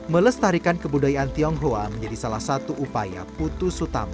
melestarikan kebudayaan tionghoa menjadi salah satu upaya putus utama